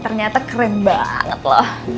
ternyata keren banget loh